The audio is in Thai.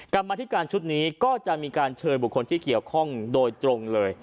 กรรมธิการชุดนี้ก็จะมีการเชิญบุคคลที่เกี่ยวข้องโดยตรงเลย